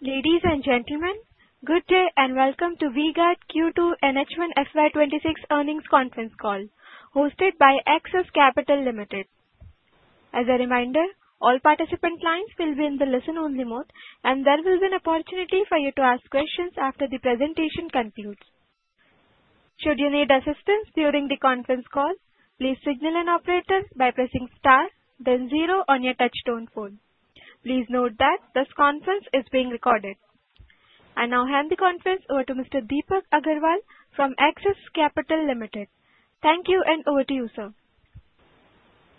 Ladies and gentlemen, good day and welcome to V-Guard Q2 and H1 FY2026 earnings conference call, hosted by Axis Capital Limited. As a reminder, all participant lines will be in the listen-only mode, and there will be an opportunity for you to ask questions after the presentation concludes. Should you need assistance during the conference call, please signal an operator by pressing star, then zero on your touch-tone phone. Please note that this conference is being recorded. I now hand the conference over to Mr. Deepak Agarwal from Axis Capital Limited. Thank you, and over to you, sir.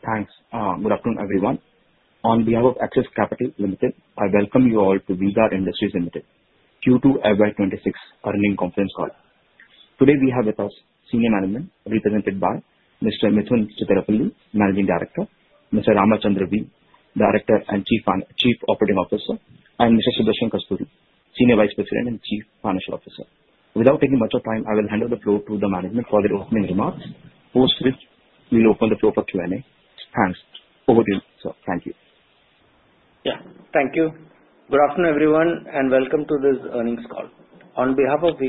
Thanks. Good afternoon, everyone. On behalf of Axis Capital Limited, I welcome you all to V-Guard Industries Limited Q2 FY2026 earnings conference call. Today, we have with us senior management, represented by Mr. Mithun K. Chittilappilly, Managing Director, Mr. Ramachandran V., Director and Chief Operating Officer, and Mr. Sudarshan Kasturi, Senior Vice President and Chief Financial Officer. Without taking much of time, I will hand over the floor to the management for their opening remarks. Post this, we will open the floor for Q&A. Thanks. Over to you, sir. Thank you. Yeah. Thank you. Good afternoon, everyone, and welcome to this earnings call. On behalf of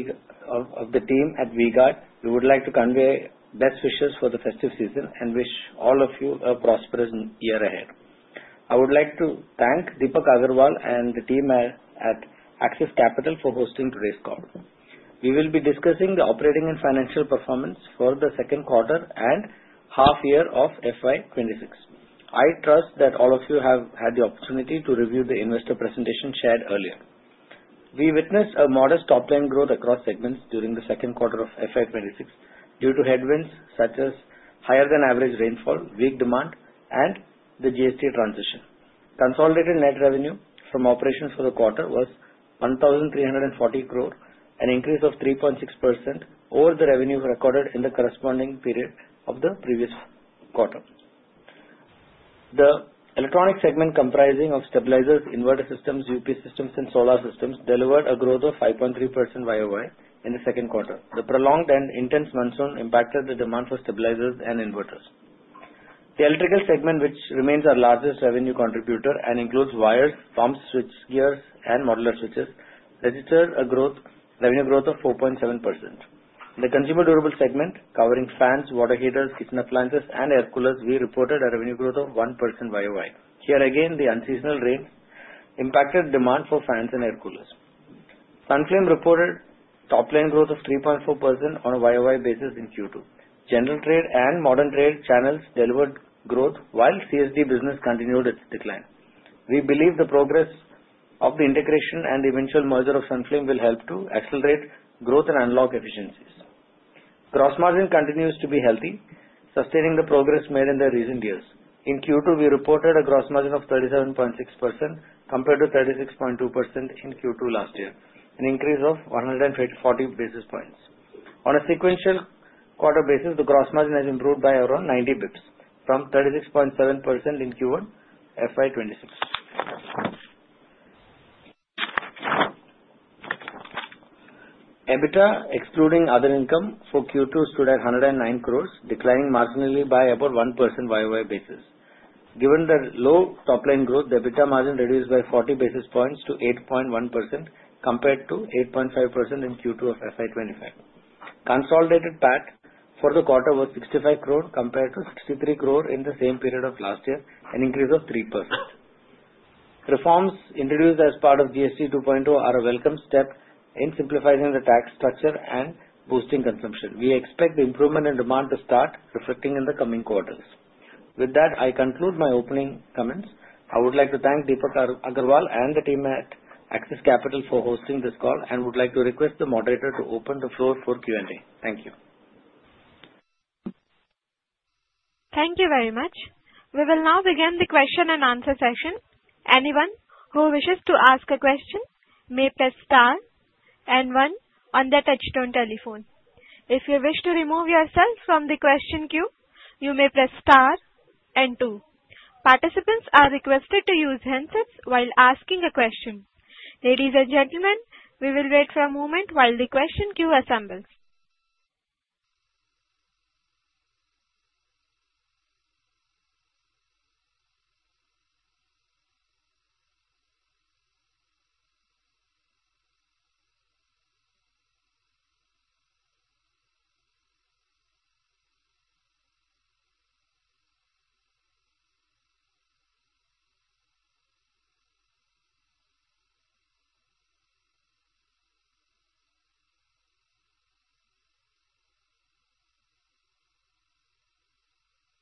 the team at V-Guard, we would like to convey best wishes for the festive season and wish all of you a prosperous year ahead. I would like to thank Deepak Agarwal and the team at Axis Capital for hosting today's call. We will be discussing the operating and financial performance for the second quarter and half-year of FY2026. I trust that all of you have had the opportunity to review the investor presentation shared earlier. We witnessed a modest inline growth across segments during the second quarter of FY2026 due to headwinds such as higher-than-average rainfall, weak demand, and the GST transition. Consolidated net revenue from operations for the quarter was 1,340 crore, an increase of 3.6% over the revenue recorded in the corresponding period of the previous year. The electronic segment comprising of stabilizers, inverter systems, UPS systems, and solar systems delivered a growth of 5.3% YoY in the second quarter. The prolonged and intense monsoon impacted the demand for stabilizers and inverters. The electrical segment, which remains our largest revenue contributor and includes wires, pumps, switchgears, and modular switches, registered a revenue growth of 4.7%. The consumer durable segment, covering fans, water heaters, kitchen appliances, and air coolers, reported a revenue growth of 1% YoY. Here again, the unseasonal rain impacted demand for fans and air coolers. Sunflame reported top-line growth of 3.4% on a YoY basis in Q2. General trade and modern trade channels delivered growth, while CSD business continued its decline. We believe the progress of the integration and eventual merger of Sunflame will help to accelerate growth and unlock efficiencies. Gross margin continues to be healthy, sustaining the progress made in the recent years. In Q2, we reported a gross margin of 37.6% compared to 36.2% in Q2 last year, an increase of 140 basis points. On a sequential quarter basis, the gross margin has improved by around 90 basis points, from 36.7% in Q1 FY2026. EBITDA, excluding other income, for Q2 stood at 109 crore, declining marginally by about 1% YoY basis. Given the low top-line growth, the EBITDA margin reduced by 40 basis points to 8.1% compared to 8.5% in Q2 of FY2025. Consolidated PAT for the quarter was 65 crore compared to 63 crore in the same period of last year, an increase of 3%. Reforms introduced as part of GST 2.0 are a welcome step in simplifying the tax structure and boosting consumption. We expect the improvement in demand to start reflecting in the coming quarters. With that, I conclude my opening comments. I would like to thank Deepak Agarwal and the team at Axis Capital for hosting this call and would like to request the moderator to open the floor for Q&A. Thank you. Thank you very much. We will now begin the question and answer session. Anyone who wishes to ask a question may press star and one on their touch-tone telephone. If you wish to remove yourself from the question queue, you may press star and two. Participants are requested to use handsets while asking a question. Ladies and gentlemen, we will wait for a moment while the question queue assembles.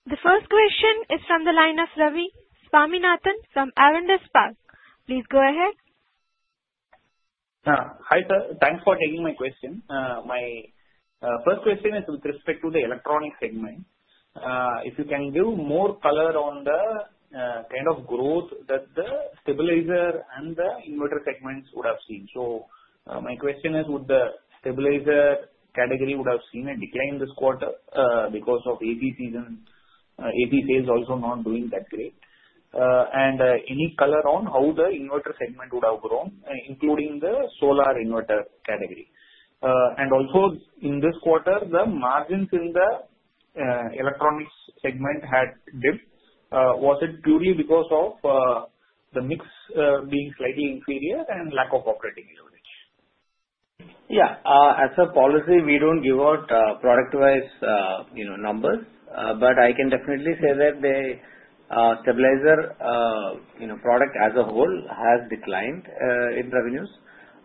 The first question is from the line of Ravi Swaminathan from Avendus Spark. Please go ahead. Hi, sir. Thanks for taking my question. My first question is with respect to the electronics segment. If you can give more color on the kind of growth that the stabilizer and the inverter segments would have seen. So my question is, would the stabilizer category have seen a decline this quarter because of AC season? AC sales also not doing that great. And any color on how the inverter segment would have grown, including the solar inverter category? And also, in this quarter, the margins in the electronics segment had dipped. Was it purely because of the mix being slightly inferior and lack of operating leverage? Yeah. As a policy, we don't give out product-wise numbers, but I can definitely say that the stabilizer product as a whole has declined in revenues,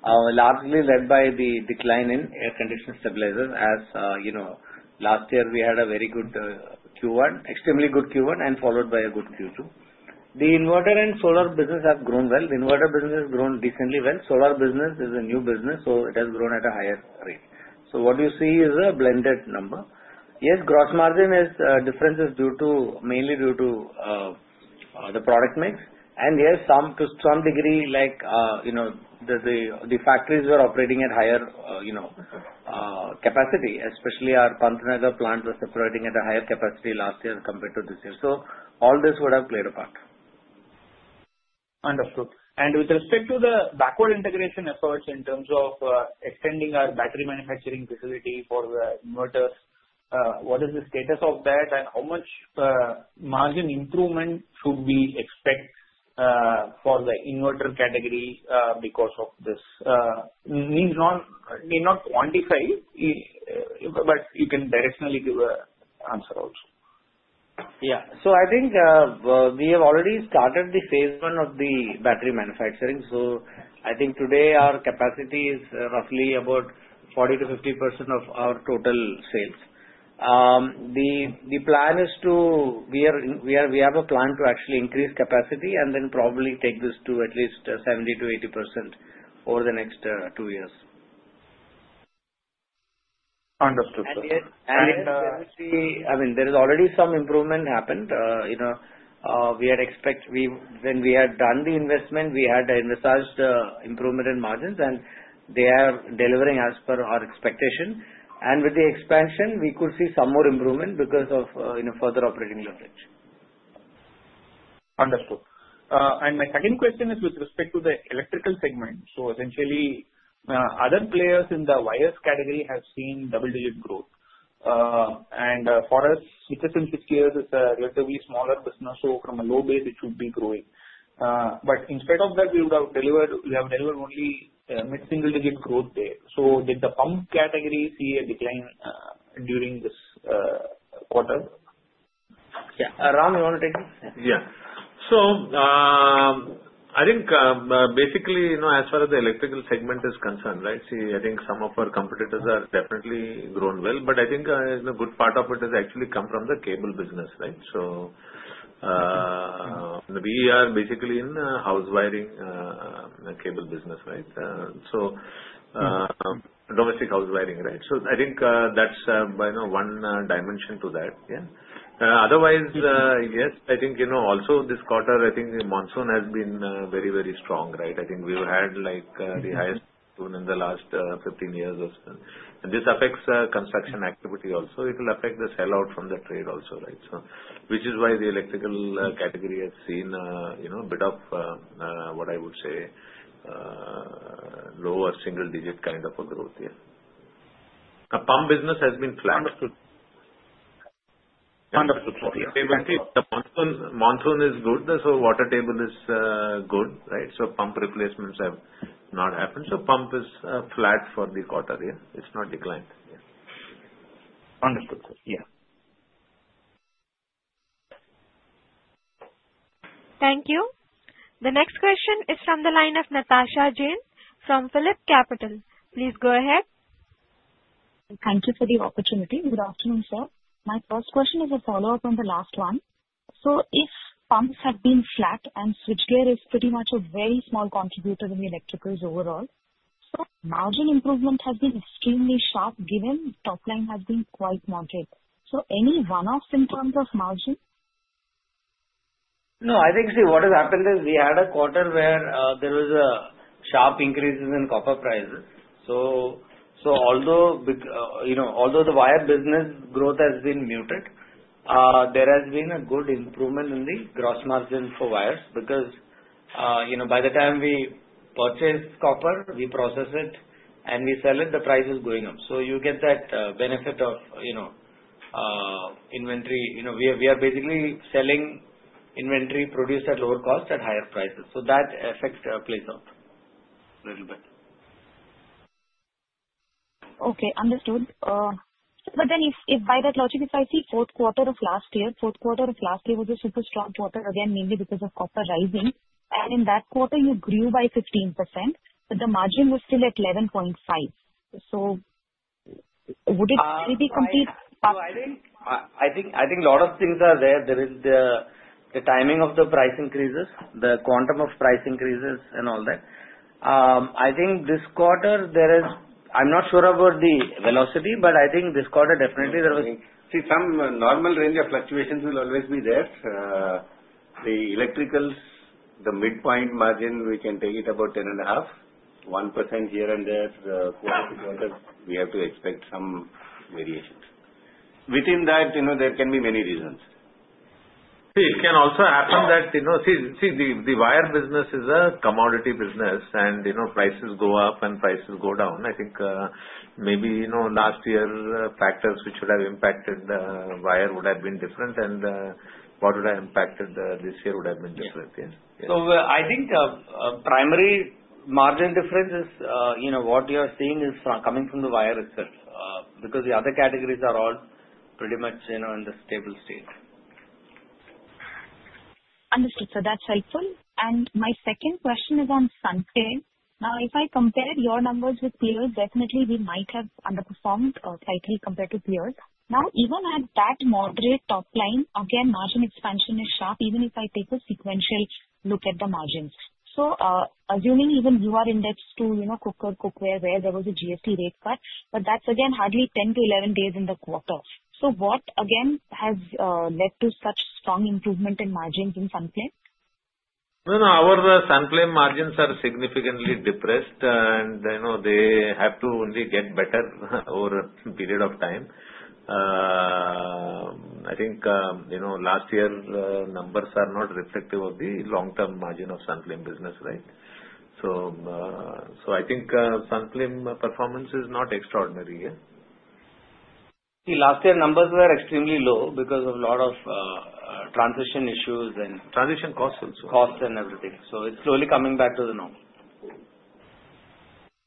largely led by the decline in air conditioning stabilizers. As last year, we had a very good Q1, extremely good Q1, and followed by a good Q2. The inverter and solar business have grown well. The inverter business has grown decently well. Solar business is a new business, so it has grown at a higher rate. So what you see is a blended number. Yes, gross margin difference is mainly due to the product mix. And yes, to some degree, the factories are operating at higher capacity, especially our Pantnagar plant was operating at a higher capacity last year compared to this year. So all this would have played a part. Understood. And with respect to the backward integration efforts in terms of extending our battery manufacturing facility for the inverters, what is the status of that, and how much margin improvement should we expect for the inverter category because of this? Need not quantify, but you can directionally give an answer also. Yeah. So I think we have already started the phase one of the battery manufacturing. So I think today our capacity is roughly about 40%-50% of our total sales. The plan is to actually increase capacity and then probably take this to at least 70%-80% over the next two years. Understood. I mean, there is already some improvement happened. We had expected, when we had done the investment, we had researched improvement in margins, and they are delivering as per our expectation. With the expansion, we could see some more improvement because of further operating leverage. Understood. And my second question is with respect to the electrical segment. So essentially, other players in the wires category have seen double-digit growth. And for us, stabilizers is a relatively smaller business, so from a low base, it should be growing. But instead of that, we would have delivered - we have delivered only mid-single-digit growth there. So did the pump category see a decline during this quarter? Yeah. Ram, you want to take this? Yeah. So I think basically, as far as the electrical segment is concerned, right, see, I think some of our competitors have definitely grown well. But I think a good part of it has actually come from the cable business, right? So we are basically in the house wiring cable business, right? So domestic house wiring, right? So I think that's one dimension to that. Yeah. Otherwise, yes, I think also this quarter, I think the monsoon has been very, very strong, right? I think we've had the highest monsoon in the last 15 years or so. And this affects construction activity also. It will affect the sellout from the trade also, right? So which is why the electrical category has seen a bit of what I would say lower single-digit kind of a growth here. The pump business has been flat. Understood. Understood. The monsoon is good. So water table is good, right? So pump replacements have not happened. So pump is flat for the quarter here. It's not declined. Understood. Yeah. Thank you. The next question is from the line of Natasha Jain from PhillipCapital. Please go ahead. Thank you for the opportunity. Good afternoon, sir. My first question is a follow-up on the last one. So if pumps have been flat and switchgear is pretty much a very small contributor in the electricals overall, so margin improvement has been extremely sharp given top-line has been quite moderate. So any run-off in terms of margin? No. I think, see, what has happened is we had a quarter where there was a sharp increase in copper prices. So although the wire business growth has been muted, there has been a good improvement in the gross margin for wires because by the time we purchase copper, we process it, and we sell it, the price is going up. So you get that benefit of inventory. We are basically selling inventory produced at lower cost at higher prices. So that effect plays out a little bit. Okay. Understood. But then if by that logic, if I see fourth quarter of last year, fourth quarter of last year was a super strong quarter, again, mainly because of copper rising. And in that quarter, you grew by 15%, but the margin was still at 11.5%. So would it still be complete? I think a lot of things are there. There is the timing of the price increases, the quantum of price increases, and all that. I think this quarter, there is. I'm not sure about the velocity, but I think this quarter definitely there was. See, some normal range of fluctuations will always be there. The electricals, the midpoint margin, we can take it about 10.5%, 1% here and there. Quarter to quarter, we have to expect some variations. Within that, there can be many reasons. See, it can also happen that, see, the wire business is a commodity business, and prices go up and prices go down. I think maybe last year, factors which would have impacted the wire would have been different, and what would have impacted this year would have been different. Yeah. So I think primary margin difference is what you are seeing is coming from the wire itself because the other categories are all pretty much in the stable state. Understood. So that's helpful. And my second question is on Sunflame. Now, if I compared your numbers with peers, definitely we might have underperformed slightly compared to peers. Now, even at that moderate top line, again, margin expansion is sharp even if I take a sequential look at the margins. So assuming even you are indexed to cookware, where there was a GST rate cut, but that's again hardly 10 to 11 days in the quarter. So what, again, has led to such strong improvement in margins in Sunflame? No, no. Our Sunflame margins are significantly depressed, and they have to only get better over a period of time. I think last year's numbers are not reflective of the long-term margin of Sunflame business, right? So I think Sunflame performance is not extraordinary. See, last year's numbers were extremely low because of a lot of transition issues and. Transition cost also. Cost and everything. So it's slowly coming back to the norm.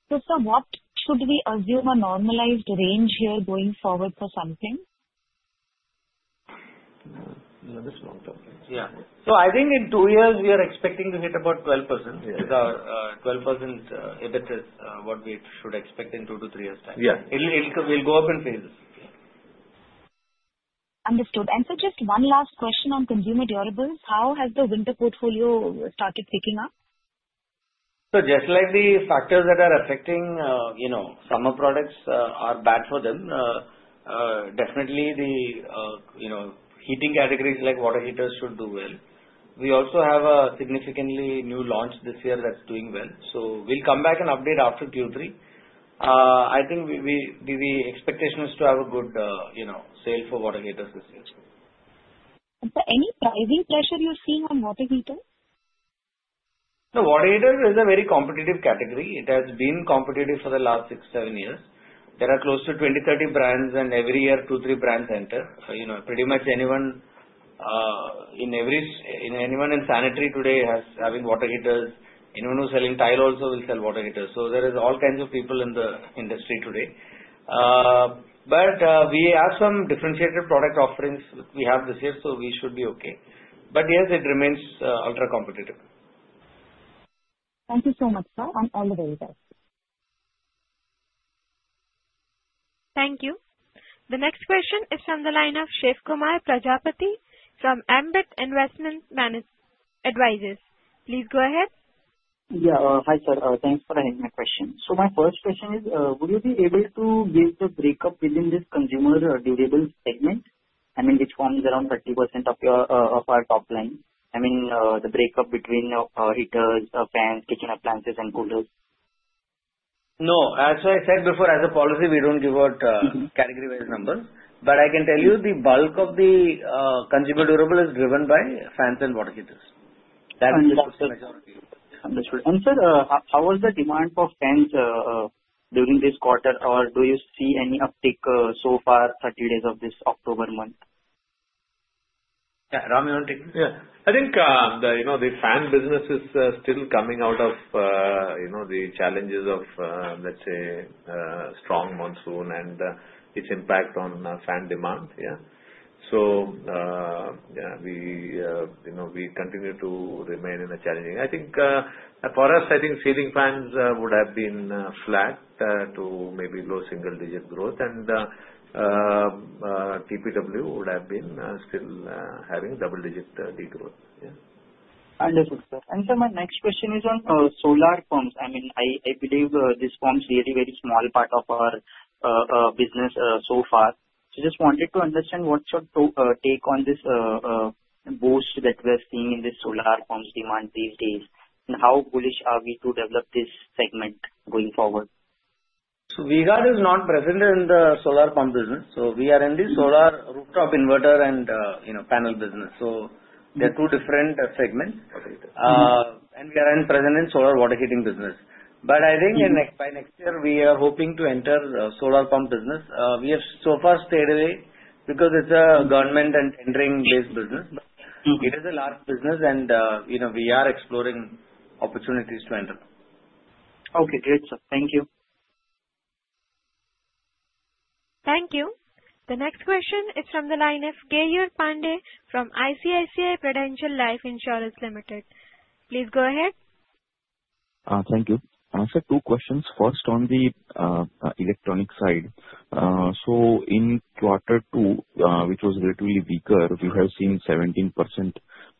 So what should we assume a normalized range here going forward for Sunflame? In this long-term? Yeah. So I think in two years, we are expecting to hit about 12%. It's our 12% EBITDA, what we should expect in two to three years' time. Yeah. It will go up in phases. Understood. And so just one last question on consumer durables. How has the winter portfolio started picking up? So just like the factors that are affecting summer products are bad for them, definitely the heating categories like water heaters should do well. We also have a significantly new launch this year that's doing well. So we'll come back and update after Q3. I think the expectation is to have a good sale for water heaters this year. Any pricing pressure you're seeing on water heaters? No, water heaters is a very competitive category. It has been competitive for the last six, seven years. There are close to 20, 30 brands, and every year, two, three brands enter. Pretty much anyone in sanitary today is having water heaters. Anyone who's selling tile also will sell water heaters. So there are all kinds of people in the industry today. But we have some differentiated product offerings we have this year, so we should be okay. But yes, it remains ultra-competitive. Thank you so much, sir. I'm all the way there. Thank you. The next question is from the line of Shivkumar Prajapati from Ambit Investment Advisors. Please go ahead. Yeah. Hi, sir. Thanks for having my question. So my first question is, would you be able to give the breakup within this consumer durable segment? I mean, which forms around 30% of our top line. I mean, the breakup between heaters, fans, kitchen appliances, and coolers. No. As I said before, as a policy, we don't give out category-wise numbers. But I can tell you the bulk of the consumer durable is driven by fans and water heaters. That's the majority. Understood. And sir, how was the demand for fans during this quarter, or do you see any uptake so far 30 days of this October month? Yeah. Ram, you want to take this? Yeah. I think the fan business is still coming out of the challenges of, let's say, strong monsoon and its impact on fan demand. Yeah. So yeah, we continue to remain in a challenging, I think, for us. I think ceiling fans would have been flat to maybe low single-digit growth, and TPW would have been still having double-digit de-growth. Yeah. Understood, sir. And sir, my next question is on solar pumps. I mean, I believe this pump is really a very small part of our business so far. So just wanted to understand what's your take on this boost that we are seeing in this solar pumps demand these days, and how bullish are we to develop this segment going forward? V-Guard is not present in the solar pump business. We are in the solar rooftop inverter and panel business. There are two different segments. We are present in the solar water heating business. By next year, we are hoping to enter the solar pump business. We have so far stayed away because it's a government and tendering-based business. It is a large business, and we are exploring opportunities to enter. Okay. Great, sir. Thank you. Thank you. The next question is from the line of Keyur Pandya from ICICI Prudential Life Insurance Limited. Please go ahead. Thank you. Sir, two questions. First, on the electronic side. So in quarter two, which was relatively weaker, we have seen 17%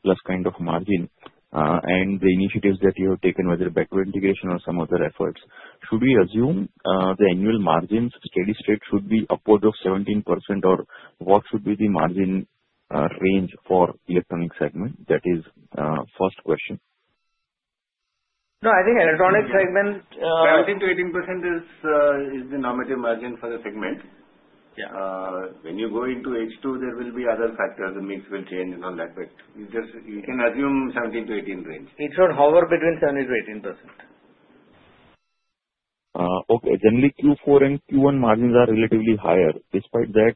plus kind of margin. And the initiatives that you have taken, whether backward integration or some other efforts, should we assume the annual margins steady-state should be upward of 17%, or what should be the margin range for electronic segment? That is first question. No. I think electronic segment. 17%-18% is the normative margin for the segment. When you go into H2, there will be other factors. The mix will change and all that. But you can assume 17%-18% range. It should hover between 17% to 18%. Okay. Generally, Q4 and Q1 margins are relatively higher. Despite that,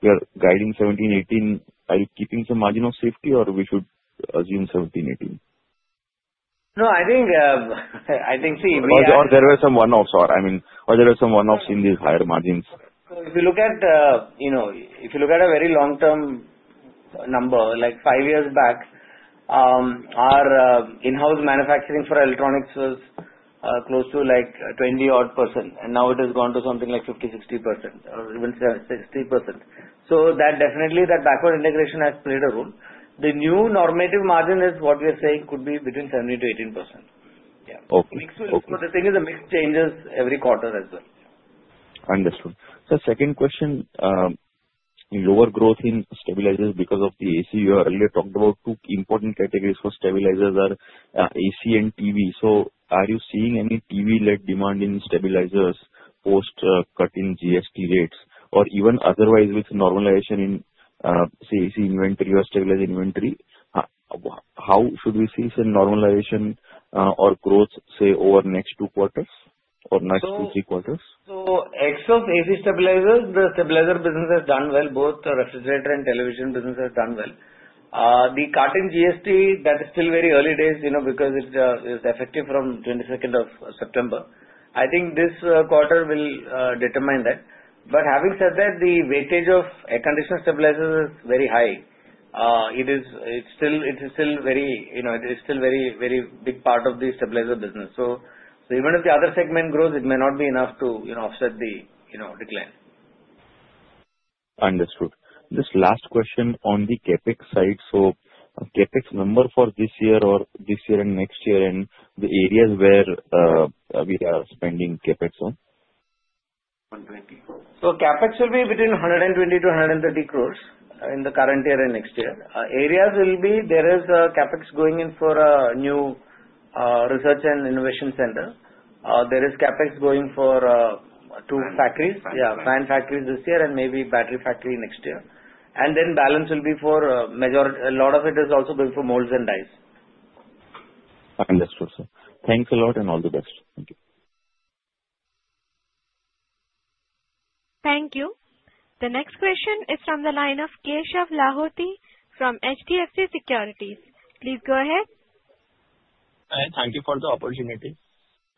we are guiding 17%-18%. Are you keeping some margin of safety, or we should assume 17%-18%? No. I think, see. Or there were some one-offs, or I mean, or there were some one-offs in these higher margins. So if you look at a very long-term number, like five years back, our in-house manufacturing for electronics was close to like 20% odd, and now it has gone to something like 50-60%, or even 60%. So definitely, that backward integration has played a role. The new normative margin is what we are saying could be between 17%-18%. Yeah. The thing is, the mix changes every quarter as well. Understood. Sir, second question. Lower growth in stabilizers because of the AC. You earlier talked about two important categories for stabilizers are AC and TV. So are you seeing any TV-led demand in stabilizers post-cutting GST rates or even otherwise with normalization in, say, AC inventory or stabilizer inventory? How should we see some normalization or growth, say, over next two quarters or next two, three quarters? So except AC stabilizers, the stabilizer business has done well. Both refrigerator and television business has done well. The GST cut, that is still very early days because it is effective from 22nd of September. I think this quarter will determine that. But having said that, the weightage of air conditioner stabilizers is very high. It is still a very, very big part of the stabilizer business. So even if the other segment grows, it may not be enough to offset the decline. Understood. This last question on the CapEx side. So CapEx number for this year or this year and next year and the areas where we are spending CapEx on? CapEx will be between 120-130 crores in the current year and next year. Areas will be there is CapEx going in for a new research and innovation center. There is CapEx going for two factories. Yeah, fan factories this year and maybe battery factory next year. And then balance will be for a lot of it is also going for molds and dies. Understood, sir. Thanks a lot and all the best. Thank you. Thank you. The next question is from the line of Keshav Lahoti from HDFC Securities. Please go ahead. Hi. Thank you for the opportunity.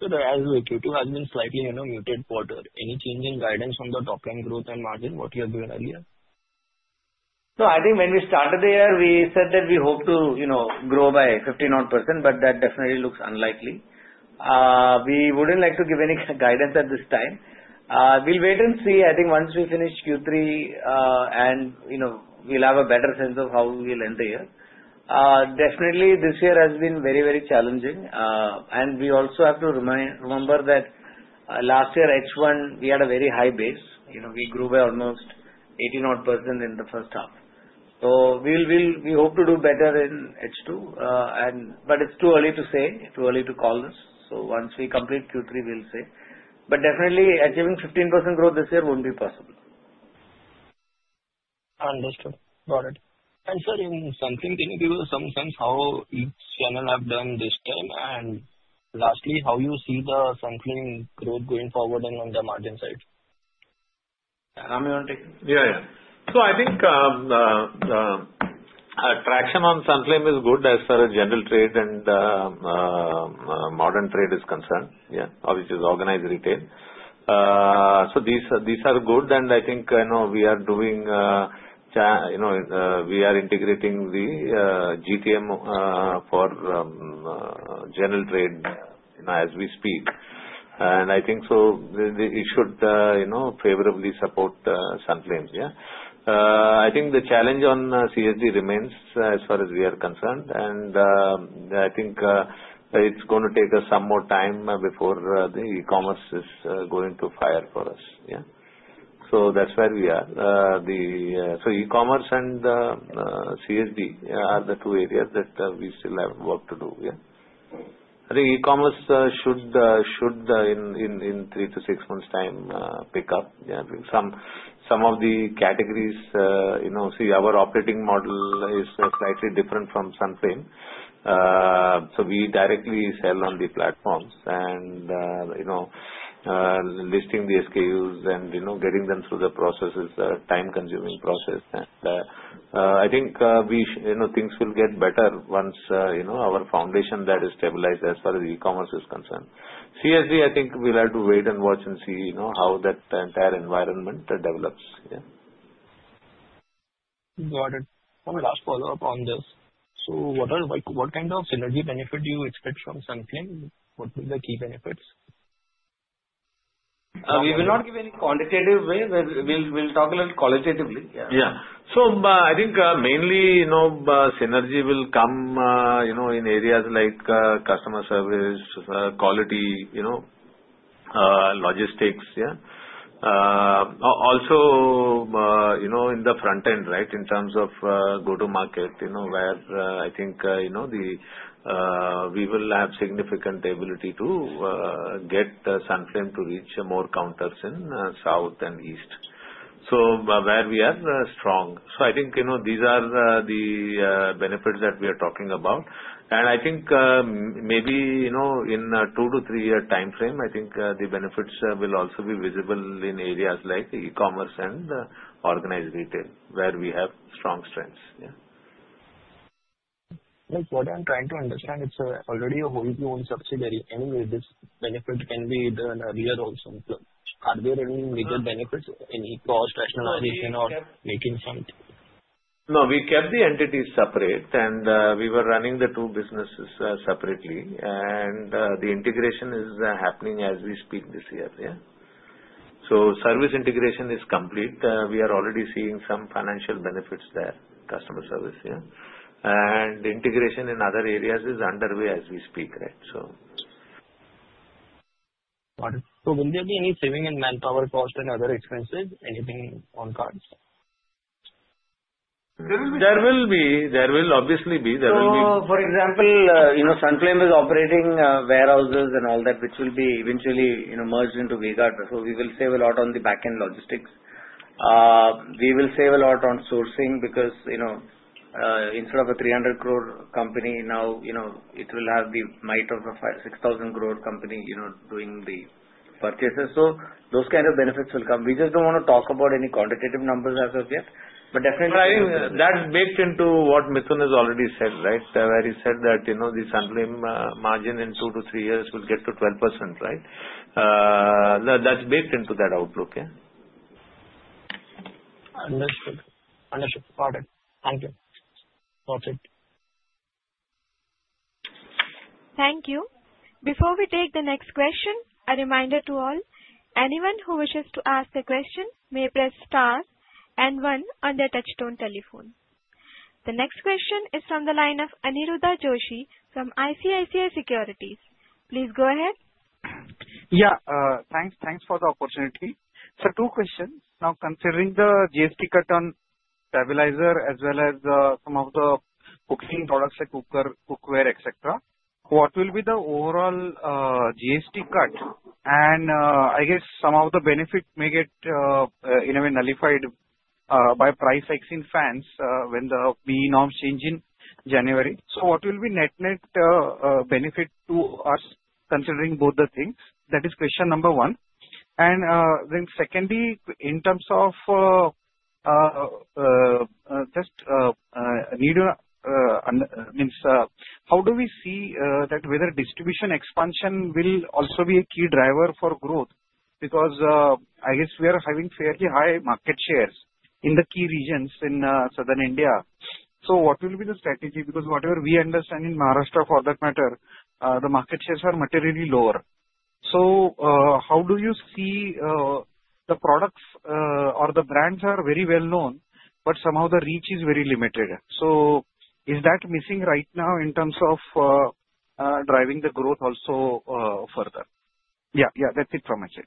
So, as Q2 has been a slightly muted quarter, any change in guidance on the top line growth and margin? What you have given earlier? So I think when we started the year, we said that we hope to grow by 15% odd, but that definitely looks unlikely. We wouldn't like to give any guidance at this time. We'll wait and see. I think once we finish Q3, we'll have a better sense of how we'll end the year. Definitely, this year has been very, very challenging. And we also have to remember that last year, H1, we had a very high base. We grew by almost 18-odd% in the first half. So we hope to do better in H2. But it's too early to say, too early to call this. So once we complete Q3, we'll say. But definitely, achieving 15% growth this year won't be possible. Understood. Got it. And sir, in Sunflame, can you give us some sense how each channel have done this time? And lastly, how you see the Sunflame growth going forward and on the margin side? Ram, you want to take this? Yeah, yeah. So I think traction on Sunflame is good as far as general trade and modern trade is concerned. Yeah, which is organized retail. So these are good, and I think we are integrating the GTM for general trade as we speak. And I think so it should favorably support Sunflame's. Yeah. I think the challenge on CSD remains as far as we are concerned, and I think it's going to take us some more time before the e-commerce is going to fire for us. Yeah. So that's where we are. So e-commerce and CSD are the two areas that we still have work to do. Yeah. I think e-commerce should, in three to six months' time, pick up. Yeah. Our operating model is slightly different from Sunflame. So we directly sell on the platforms, and listing the SKUs and getting them through the process is a time-consuming process. And I think things will get better once our foundation that is stabilized as far as e-commerce is concerned. CSD, I think we'll have to wait and watch and see how that entire environment develops. Yeah. Got it. My last follow-up on this. So what kind of synergy benefit do you expect from Sunflame? What will be the key benefits? We will not give any quantitative way. We'll talk a little qualitatively. Yeah. Yeah. So I think mainly synergy will come in areas like customer service, quality, logistics. Yeah. Also, in the front end, right, in terms of go-to-market, where I think we will have significant ability to get Sunflame to reach more counters in south and east. So where we are strong. So I think these are the benefits that we are talking about. And I think maybe in a two to three-year time frame, I think the benefits will also be visible in areas like e-commerce and organized retail, where we have strong strengths. Yeah. What I'm trying to understand, it's already a wholly owned subsidiary. Anyway, this benefit can be availed earlier also. Are there any major benefits in e-commerce rationalization or marketing funds? No. We kept the entities separate, and we were running the two businesses separately. And the integration is happening as we speak this year. Yeah. So service integration is complete. We are already seeing some financial benefits there, customer service. Yeah. And integration in other areas is underway as we speak, right? So. Got it. So will there be any saving in manpower cost and other expenses? Anything on cards? There will obviously be. So for example, Sunflame is operating warehouses and all that, which will be eventually merged into V-Guard. So we will save a lot on the backend logistics. We will save a lot on sourcing because instead of an 300 crore company, now it will have the might of an 6,000 crore company doing the purchases. So those kind of benefits will come. We just don't want to talk about any quantitative numbers as of yet. But definitely, I think that's baked into what Mithun has already said, right, where he said that the Sunflame margin in two to three years will get to 12%, right? Yeah. Understood. Understood. Got it. Thank you. Perfect. Thank you. Before we take the next question, a reminder to all, anyone who wishes to ask a question may press star and one on their touch-tone telephone. The next question is from the line of Aniruddha Joshi from ICICI Securities. Please go ahead. Yeah. Thanks for the opportunity. Sir, two questions. Now, considering the GST cut on stabilizer as well as some of the cooking products like cookware, etc., what will be the overall GST cut? And I guess some of the benefit may get nullified by price hikes in fans when the PE norms change in January. So what will be net-net benefit to us considering both the things? That is question number one. And then secondly, in terms of just need of means, how do we see that whether distribution expansion will also be a key driver for growth? Because I guess we are having fairly high market shares in the key regions in southern India. So what will be the strategy? Because whatever we understand in Maharashtra, for that matter, the market shares are materially lower. So how do you see the products or the brands are very well-known, but somehow the reach is very limited? So is that missing right now in terms of driving the growth also further? Yeah. Yeah. That's it from my side.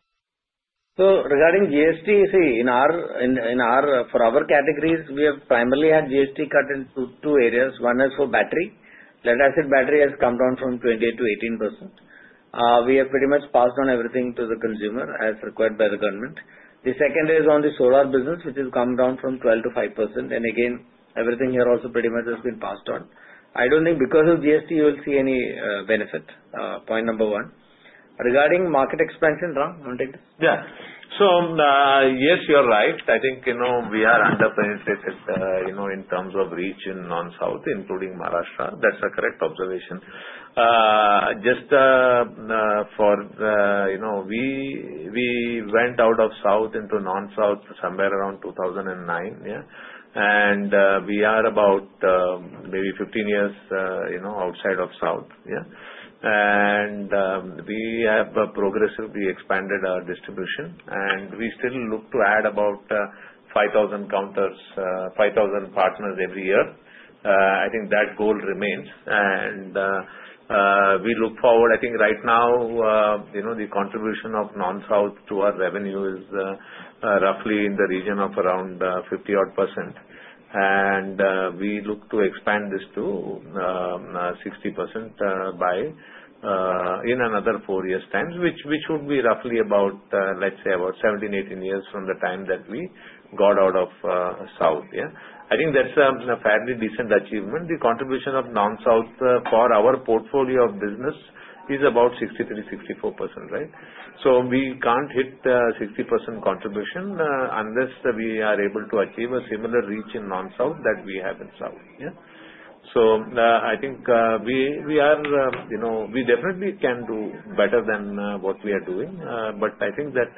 So regarding GST, see, for our categories, we have primarily had GST cut in two areas. One is for battery. Let us say battery has come down from 28%-18%. We have pretty much passed on everything to the consumer as required by the government. The second is on the solar business, which has come down from 12%-5%. And again, everything here also pretty much has been passed on. I don't think because of GST, you will see any benefit. Point number one. Regarding market expansion, Ram, wanted to? Yeah. So yes, you're right. I think we are underpenetrated in terms of reach in Non-South, including Maharashtra. That's a correct observation. Just for we went out of South into Non-South somewhere around 2009. Yeah. And we are about maybe 15 years outside of South. Yeah. And we have progressively expanded our distribution, and we still look to add about 5,000 partners every year. I think that goal remains. And we look forward. I think right now, the contribution of Non-South to our revenue is roughly in the region of around 50-odd%. And we look to expand this to 60% in another four years' time, which would be roughly about, let's say, about 17, 18 years from the time that we got out of South. Yeah. I think that's a fairly decent achievement. The contribution of Non-South for our portfolio of business is about 63-64%, right? So we can't hit the 60% contribution unless we are able to achieve a similar reach in Non-South that we have in South. Yeah. So I think we are definitely can do better than what we are doing. But I think that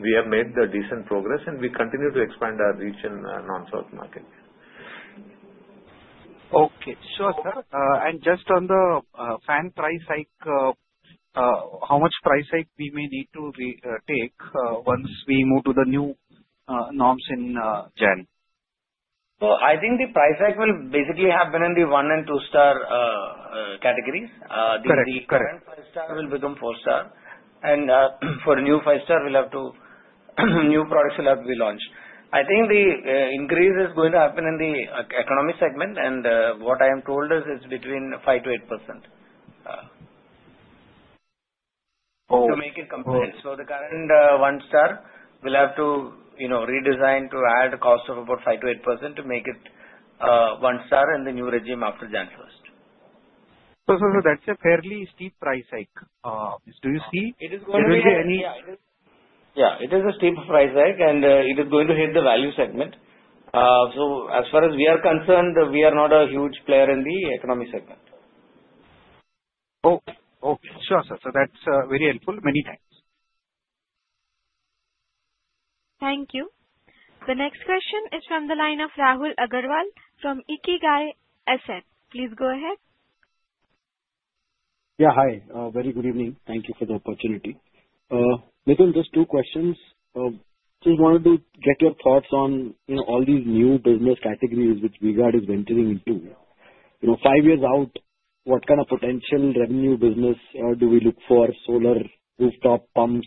we have made decent progress, and we continue to expand our reach in Non-South market. Okay. Sir, and just on the fan price hike, how much price hike we may need to take once we move to the new norms in January? So I think the price hike will basically happen in the one and two-star categories. The current five-star will become four-star. And for new five-star, we'll have to new products will have to be launched. I think the increase is going to happen in the economic segment. And what I am told is it's between 5%-8%. To make it compliant. So the current one-star, we'll have to redesign to add a cost of about 5%-8% to make it one-star in the new regime after January first. So that's a fairly steep price hike. Do you see? It is going to be, yeah. It is a steep price hike, and it is going to hit the value segment, so as far as we are concerned, we are not a huge player in the economic segment. Okay. Sure, sir. So that's very helpful. Many thanks. Thank you. The next question is from the line of Rahul Agarwal from IKIGAI Asset. Please go ahead. Yeah. Hi. Very good evening. Thank you for the opportunity. Mithun, just two questions. Just wanted to get your thoughts on all these new business categories which V-Guard is entering into. Five years out, what kind of potential revenue business do we look for? Solar rooftop pumps?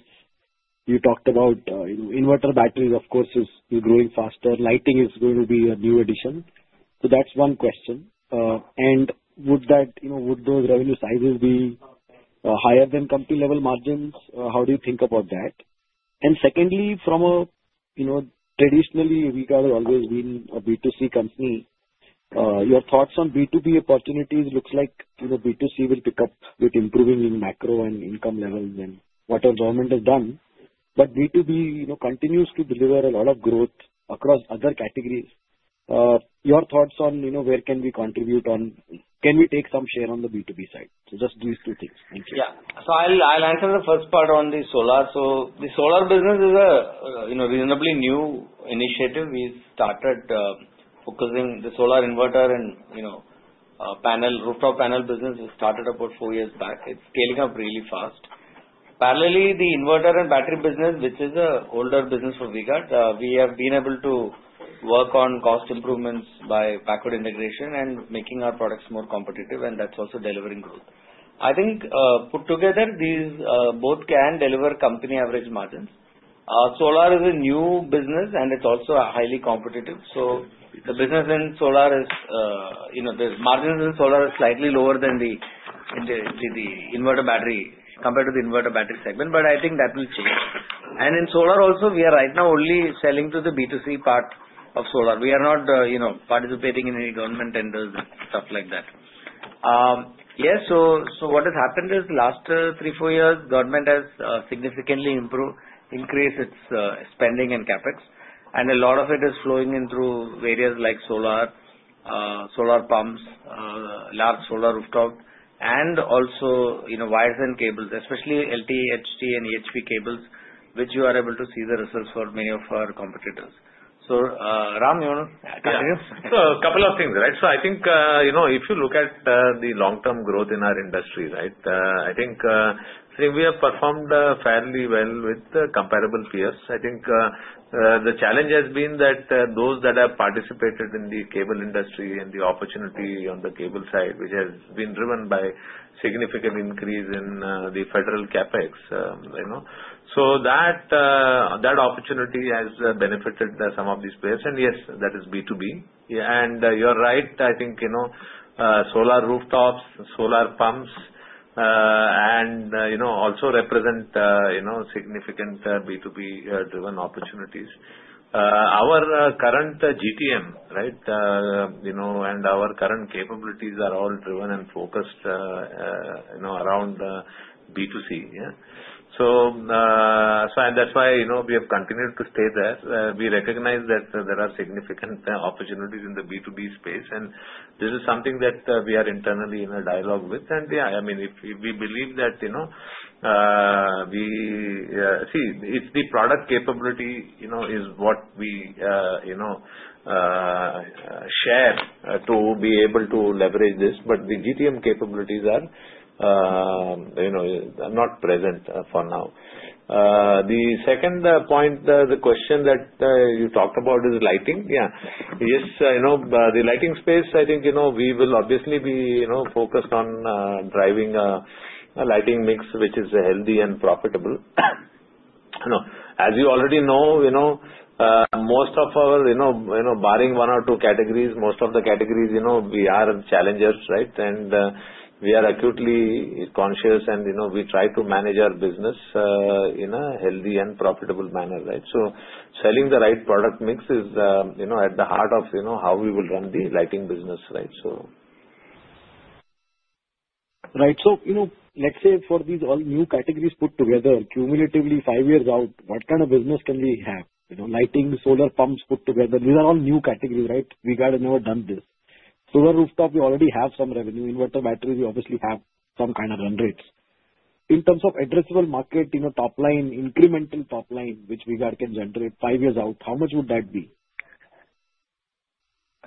You talked about inverter batteries, of course, is growing faster. Lighting is going to be a new addition. So that's one question. And would those revenue sizes be higher than company-level margins? How do you think about that? And secondly, traditionally, V-Guard has always been a B2C company. Your thoughts on B2B opportunities. Looks like B2C will pick up with improving in macro and income levels and what our government has done. But B2B continues to deliver a lot of growth across other categories. Your thoughts on where can we contribute on? Can we take some share on the B2B side? So just these two things. Thank you. Yeah. So I'll answer the first part on the solar. So the solar business is a reasonably new initiative. We started focusing the solar inverter and rooftop panel business. We started about four years back. It's scaling up really fast. Parallelly, the inverter and battery business, which is an older business for V-Guard, we have been able to work on cost improvements by backward integration and making our products more competitive. And that's also delivering growth. I think put together, these both can deliver company average margins. Solar is a new business, and it's also highly competitive. So the business in solar, the margins in solar are slightly lower than the inverter battery compared to the inverter battery segment. But I think that will change. And in solar also, we are right now only selling to the B2C part of solar. We are not participating in any government tenders and stuff like that. Yeah. So what has happened is last three, four years, government has significantly increased its spending and CapEx. And a lot of it is flowing in through areas like solar, solar pumps, large solar rooftop, and also wires and cables, especially LT, HT and EHV cables, which you are able to see the results for many of our competitors. So Ram, you want to continue? So a couple of things, right? So I think if you look at the long-term growth in our industry, right, I think we have performed fairly well with comparable peers. I think the challenge has been that those that have participated in the cable industry and the opportunity on the cable side, which has been driven by significant increase in the federal CapEx. So that opportunity has benefited some of these players. And yes, that is B2B. And you're right. I think solar rooftops, solar pumps, and also represent significant B2B-driven opportunities. Our current GTM, right, and our current capabilities are all driven and focused around B2C. Yeah. So that's why we have continued to stay there. We recognize that there are significant opportunities in the B2B space. And this is something that we are internally in a dialogue with. Yeah, I mean, if we believe that we see, if the product capability is what we share to be able to leverage this, but the GTM capabilities are not present for now. The second point, the question that you talked about is lighting. Yeah. Yes. The lighting space, I think we will obviously be focused on driving a lighting mix, which is healthy and profitable. As you already know, most of our barring one or two categories, most of the categories, we are challengers, right? And we are acutely conscious, and we try to manage our business in a healthy and profitable manner, right? So selling the right product mix is at the heart of how we will run the lighting business, right? So. Right. So let's say for these all new categories put together, cumulatively five years out, what kind of business can we have? Lighting, solar pumps put together, these are all new categories, right? V-Guard has never done this. Solar rooftop, we already have some revenue. Inverter batteries, we obviously have some kind of run rates. In terms of addressable market, top line, incremental top line, which V-Guard can generate five years out, how much would that be?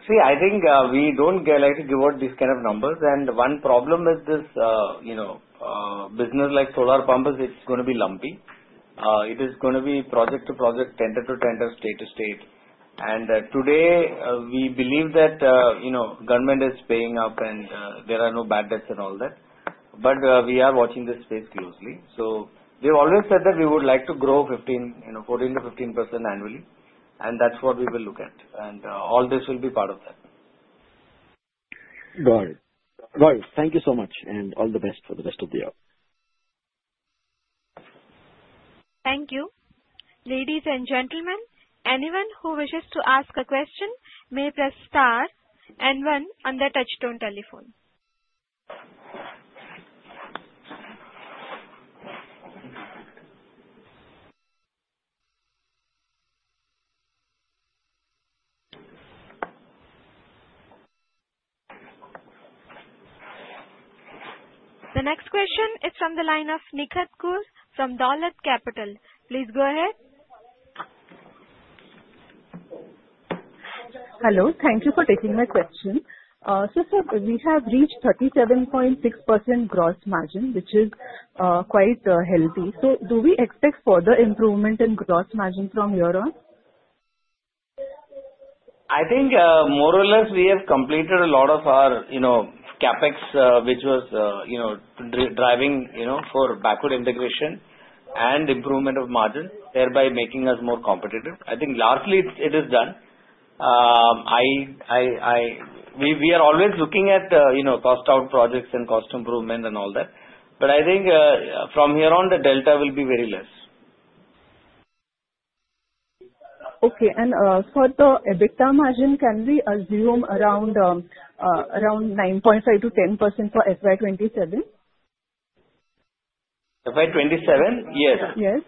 See, I think we don't like to give out these kind of numbers. And one problem with this business like solar pump is it's going to be lumpy. It is going to be project to project, tender to tender, state to state. And today, we believe that government is paying up, and there are no bad debts and all that. But we are watching this space closely. So we have always said that we would like to grow 14%-15% annually. And that's what we will look at. And all this will be part of that. Got it. Right. Thank you so much. And all the best for the rest of the year. Thank you. Ladies and gentlemen, anyone who wishes to ask a question may press star and one on their touchstone telephone. The next question is from the line of Nikhat Koor from Dolat Capital. Please go ahead. Hello. Thank you for taking my question. So sir, we have reached 37.6% gross margin, which is quite healthy. So do we expect further improvement in gross margin from here on? I think more or less we have completed a lot of our CapEx, which was driving for backward integration and improvement of margin, thereby making us more competitive. I think largely it is done. We are always looking at cost-out projects and cost improvement and all that. But I think from here on, the delta will be very less. Okay. And for the EBITDA margin, can we assume around 9.5%-10% for FY2027? FY2027? Yes. Yes.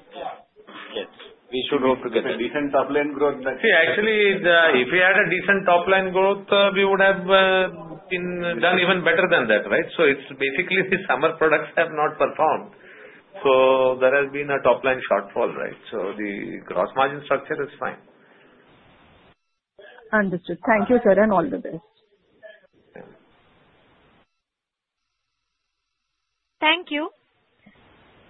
Yes. We should hope to get a decent top-line growth. See, actually, if we had a decent top-line growth, we would have been done even better than that, right? So it's basically the summer products have not performed. So there has been a top-line shortfall, right? So the gross margin structure is fine. Understood. Thank you, sir, and all the best. Thank you.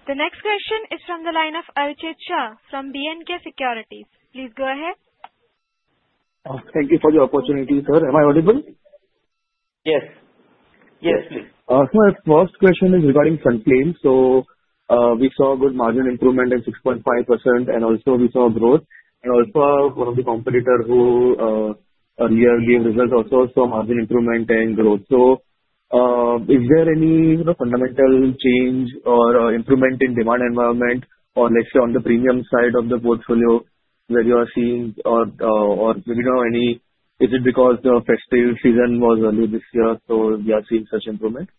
The next question is from the line of Archit Shah from B&K Securities. Please go ahead. Thank you for the opportunity, sir. Am I audible? Yes. Yes, please. Sir, first question is regarding fans. So we saw good margin improvement at 6.5%, and also we saw growth. And also, one of the competitors who earlier gave results also saw margin improvement and growth. So is there any fundamental change or improvement in demand environment, or let's say on the premium side of the portfolio where you are seeing, or maybe not any? Is it because the festive season was earlier this year, so we are seeing such improvement?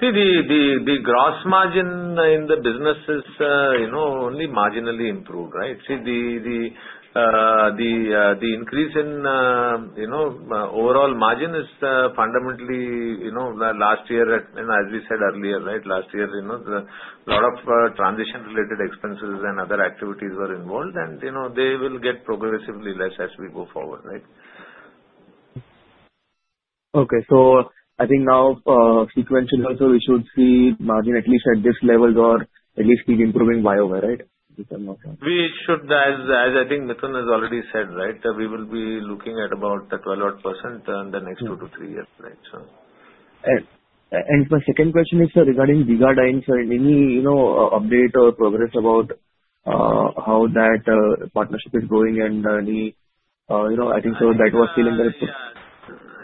See, the gross margin in the business is only marginally improved, right? See, the increase in overall margin is fundamentally last year, as we said earlier, right? Last year, a lot of transition-related expenses and other activities were involved, and they will get progressively less as we go forward, right? Okay, so I think now, sequentially, so we should see margin at least at this level or at least keep improving year-over-year, right? We should, as I think Mithun has already said, right, we will be looking at about 12% in the next two to three years, right? So. My second question is Gegadyne so any update or progress about how that partnership is going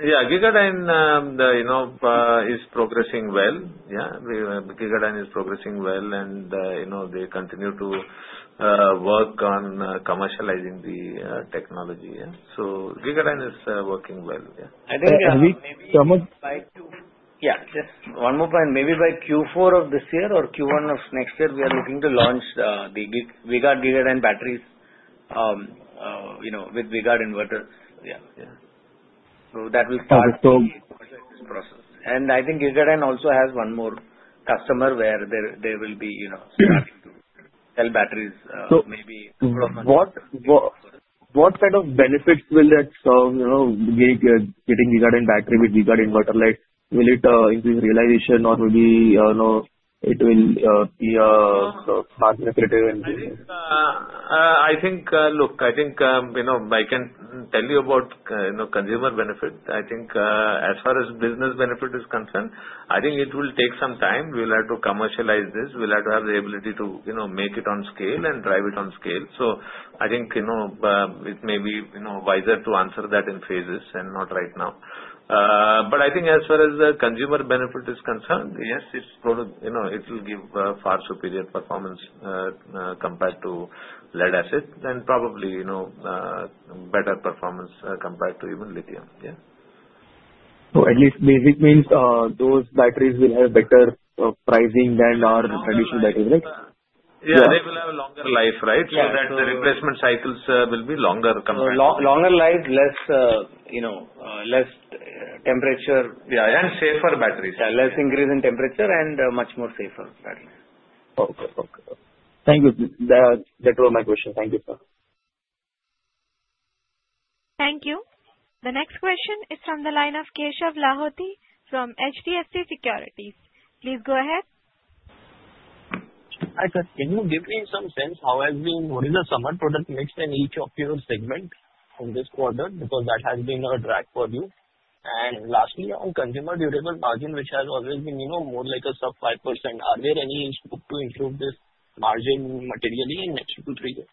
and any I think so that was feeling that it? Gegadyne is progressing well, and they continue to work on commercializing the technology. Yeah. Gegadyne is working well. Yeah. I think we would like to. Yeah. Just one more point. Maybe by Q4 of this year or Q1 of next year, we are looking to launch the V-Guard batteries with V-Guard inverters. Yeah. Yeah. So that will start. Okay. So. This process, and I think V-Guard-Ind also has one more customer where they will be starting to sell batteries maybe a couple of months later. What kind of benefits will that getting Gegadyne battery with V-Guard inverter like? Will it increase realization, or maybe it will be more lucrative and? I think, look, I think I can tell you about consumer benefit. I think as far as business benefit is concerned, I think it will take some time. We will have to commercialize this. We will have to have the ability to make it on scale and drive it on scale. So I think it may be wiser to answer that in phases and not right now. But I think as far as the consumer benefit is concerned, yes, it will give far superior performance compared to lead acid and probably better performance compared to even lithium. Yeah. At least basic means those batteries will have better pricing than our traditional batteries, right? Yeah. They will have a longer life, right? So that the replacement cycles will be longer compared to. Longer life, less temperature. Yeah, and safer batteries. Yeah. Less increase in temperature and much more safer batteries. Okay. Thank you. That was my question. Thank you, sir. Thank you. The next question is from the line of Keshav Lahoti from HDFC Securities. Please go ahead. I said, can you give me some sense how has been what is the summer product mix in each of your segment in this quarter? Because that has been a drag for you. And lastly, on consumer durable margin, which has always been more like a sub 5%. Are there any hopes to improve this margin materially in the next two to three years?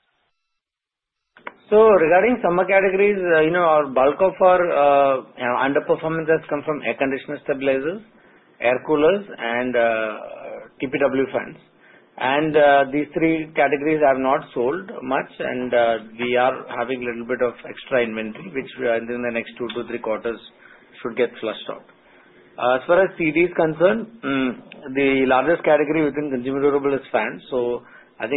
Regarding summer categories, our bulk of our underperformance has come from air conditioner stabilizers, air coolers, and TPW fans. These three categories have not sold much, and we are having a little bit of extra inventory, which within the next two to three quarters should get flushed out. As far as CD is concerned, the largest category within consumer durable is fans.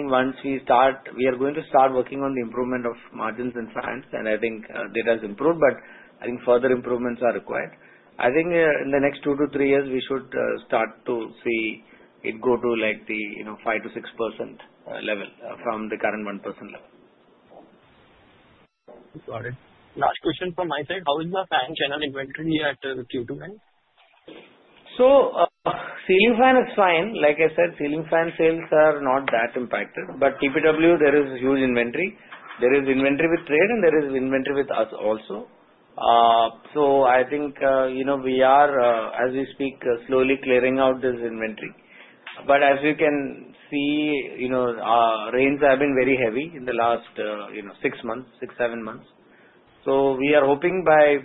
Once we start, we are going to start working on the improvement of margins in fans, and I think EBITDA has improved, but I think further improvements are required. In the next two to three years, we should start to see it go to like the 5%-6% level from the current 1% level. Got it. Last question from my side. How is the fan channel inventory at Q2 end? Ceiling fan is fine. Like I said, ceiling fan sales are not that impacted. But TPW, there is huge inventory. There is inventory with trade, and there is inventory with us also. So I think we are, as we speak, slowly clearing out this inventory. But as you can see, our rains have been very heavy in the last six months, seven months. So we are hoping by,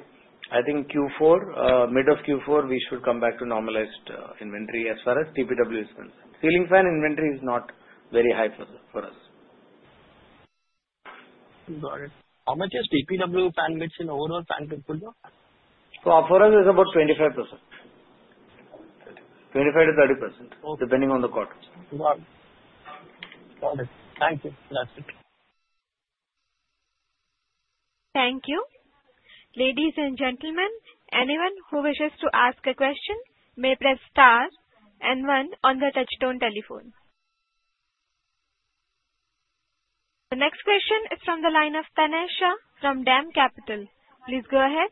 I think, Q4, mid of Q4, we should come back to normalized inventory as far as TPW is concerned. Ceiling fan inventory is not very high for us. Got it. How much is TPW fan mix in overall fan contribution? So for us, it's about 25%. 25%-30%, depending on the quarter. Got it. Got it. Thank you. That's it. Thank you. Ladies and gentlemen, anyone who wishes to ask a question may press star and one on their touch-tone telephone. The next question is from the line of Tanay Shah from DAM Capital. Please go ahead.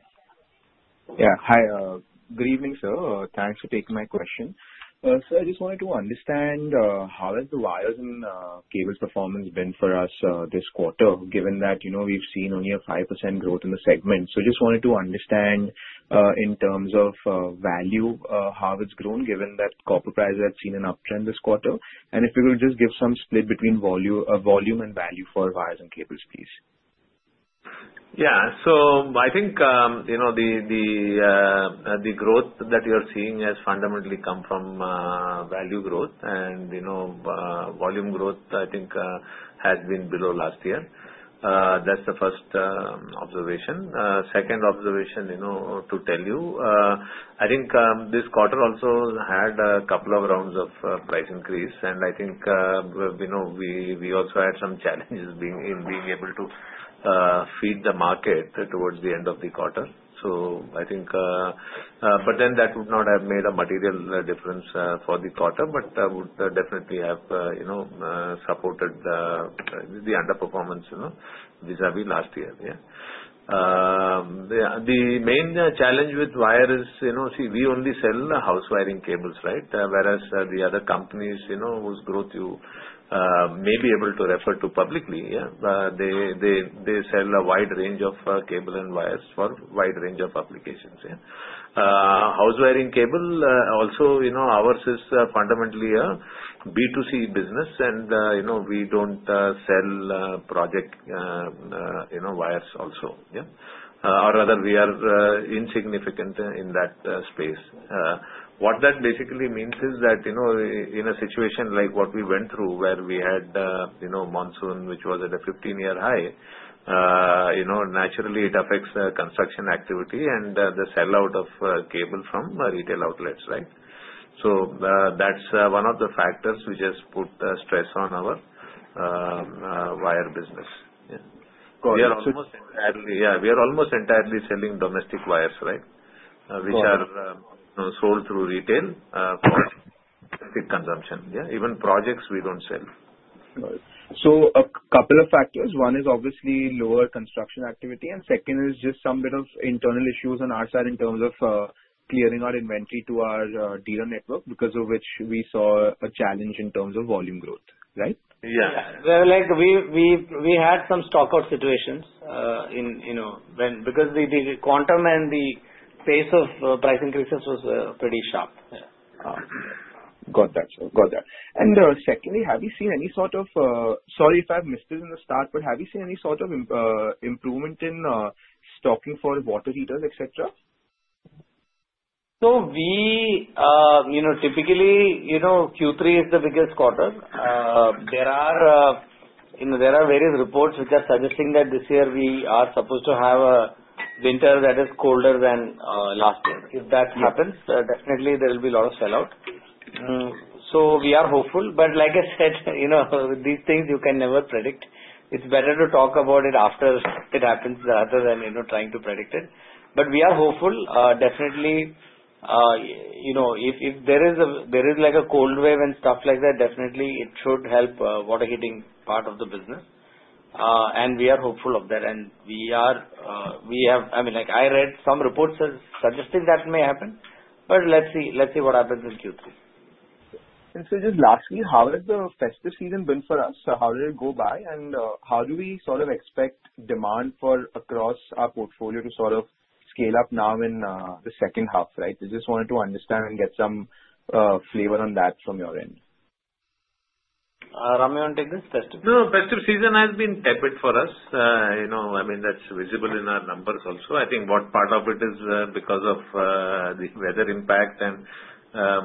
Yeah. Hi. Good evening, sir. Thanks for taking my question. Sir, I just wanted to understand how has the wires and cables performance been for us this quarter, given that we've seen only a 5% growth in the segment. So I just wanted to understand in terms of value, how it's grown, given that copper prices have seen an uptrend this quarter. And if you could just give some split between volume and value for wires and cables, please. Yeah. So I think the growth that you're seeing has fundamentally come from value growth, and volume growth, I think, has been below last year. That's the first observation. Second observation to tell you, I think this quarter also had a couple of rounds of price increase, and I think we also had some challenges in being able to feed the market towards the end of the quarter. So I think, but then that would not have made a material difference for the quarter, but would definitely have supported the underperformance vis-à-vis last year. Yeah. The main challenge with wire is, see, we only sell house wiring cables, right? Whereas the other companies whose growth you may be able to refer to publicly, yeah, they sell a wide range of cable and wires for a wide range of applications. Yeah. House wiring cable, also, ours is fundamentally a B2C business, and we don't sell project wires also. Yeah. Or rather, we are insignificant in that space. What that basically means is that in a situation like what we went through, where we had monsoon, which was at a 15-year high, naturally, it affects construction activity and the sellout of cable from retail outlets, right? So that's one of the factors which has put stress on our wire business. Yeah. Got it. So it's. Yeah. We are almost entirely selling domestic wires, right, which are sold through retail for domestic consumption. Yeah. Even projects, we don't sell. Got it. So a couple of factors. One is obviously lower construction activity, and second is just some bit of internal issues on our side in terms of clearing our inventory to our dealer network, because of which we saw a challenge in terms of volume growth, right? Yeah. We had some stock-out situations because the quantum and the pace of price increases was pretty sharp. Yeah. Got that, sir. Got that. And secondly, have you seen any sort of, sorry if I've missed this in the start, but have you seen any sort of improvement in stocking for water heaters, etc.? So typically, Q3 is the biggest quarter. There are various reports which are suggesting that this year we are supposed to have a winter that is colder than last year. If that happens, definitely there will be a lot of sellout. So we are hopeful. But like I said, with these things, you can never predict. It's better to talk about it after it happens rather than trying to predict it. But we are hopeful. Definitely, if there is like a cold wave and stuff like that, definitely it should help water heating part of the business. And we are hopeful of that. I mean, I read some reports suggesting that may happen, but let's see what happens in Q3. And so just lastly, how has the festive season been for us? How did it go by? And how do we sort of expect demand across our portfolio to sort of scale up now in the second half, right? I just wanted to understand and get some flavor on that from your end. Ram you want to take, this is. Testing. No, festive season has been tepid for us. I mean, that's visible in our numbers also. I think what part of it is because of the weather impact and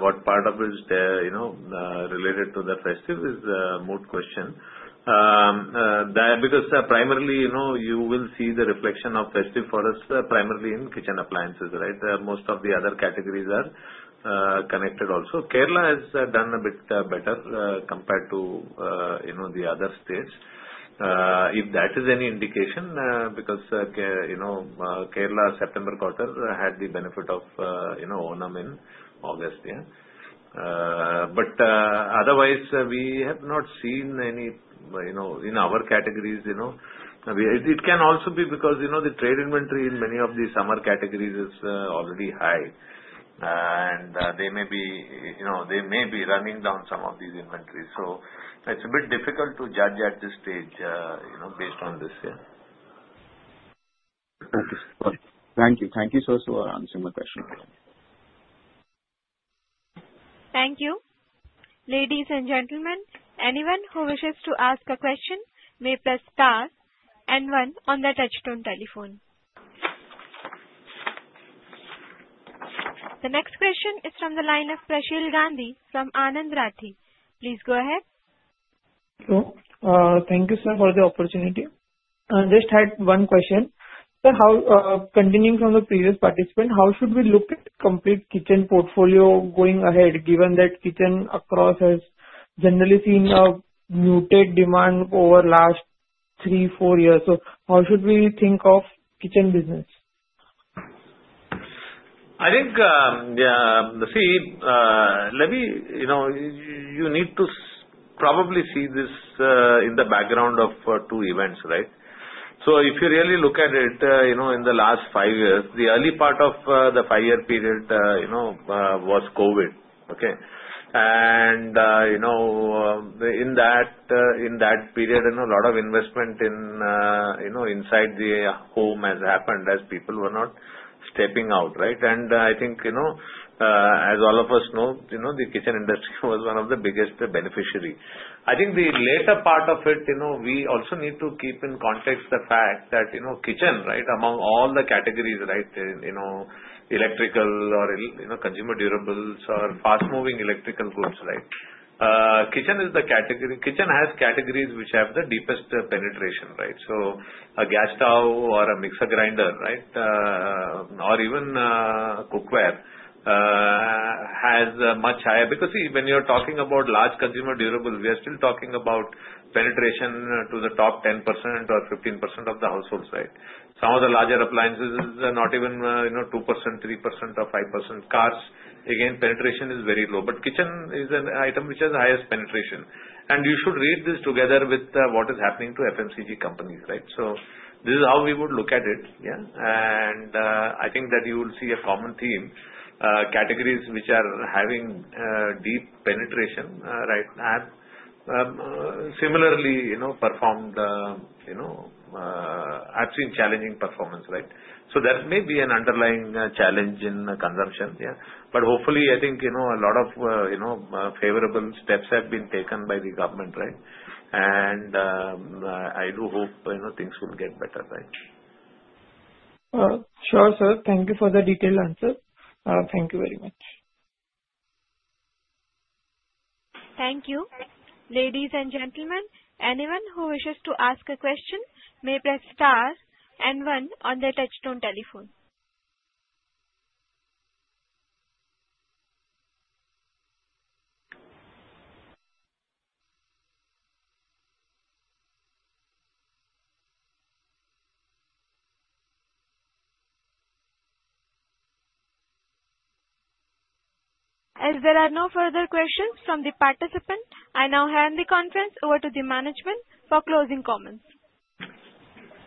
what part of it is related to the festive is a mood question. Because primarily, you will see the reflection of festive for us primarily in kitchen appliances, right? Most of the other categories are connected also. Kerala has done a bit better compared to the other states. If that is any indication, because Kerala's September quarter had the benefit of Onam in August. Yeah. But otherwise, we have not seen any in our categories. It can also be because the trade inventory in many of the summer categories is already high, and they may be running down some of these inventories. So it's a bit difficult to judge at this stage based on this. Yeah. Okay. Thank you. Thank you so much for answering my question. Thank you. Ladies and gentlemen, anyone who wishes to ask a question may press star and one on their touch-tone telephone. The next question is from the line of Prasheel Gandhi from Anand Rathi. Please go ahead. Hello. Thank you, sir, for the opportunity. I just had one question. Continuing from the previous participant, how should we look at complete kitchen portfolio going ahead, given that kitchen appliances has generally seen a muted demand over the last three, four years? So how should we think of kitchen business? I think, see, you need to probably see this in the background of two events, right, so if you really look at it in the last five years, the early part of the five-year period was COVID, okay, and in that period, a lot of investment inside the home has happened as people were not stepping out, right, and I think, as all of us know, the kitchen industry was one of the biggest beneficiaries. I think the later part of it, we also need to keep in context the fact that kitchen, right, among all the categories, right, electrical or consumer fast-moving electrical goods, right, kitchen has categories which have the deepest penetration, right? So a gas stove or a mixer grinder, right, or even cookware has much higher because, see, when you're talking about large consumer durables, we are still talking about penetration to the top 10% or 15% of the households, right? Some of the larger appliances are not even 2%, 3%, or 5%. Cars, again, penetration is very low. But kitchen is an item which has the highest penetration. And you should read this together with what is happening to FMCG companies, right? So this is how we would look at it. Yeah. And I think that you will see a common theme. Categories which are having deep penetration, right, have similarly performed. I've seen challenging performance, right? So that may be an underlying challenge in consumption. Yeah. But hopefully, I think a lot of favorable steps have been taken by the government, right? I do hope things will get better, right? Sure, sir. Thank you for the detailed answer. Thank you very much. Thank you. Ladies and gentlemen, anyone who wishes to ask a question may press star and one on their touch-tone telephone. As there are no further questions from the participants, I now hand the conference over to the management for closing comments.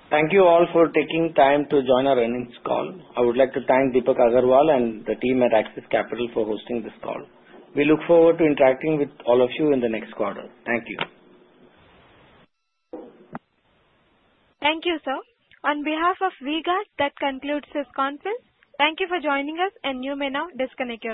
Thank you all for taking time to join our earnings call. I would like to thank Deepak Agarwal and the team at Axis Capital for hosting this call. We look forward to interacting with all of you in the next quarter. Thank you. Thank you, sir. On behalf of V-Guard, that concludes this conference. Thank you for joining us, and you may now disconnect your.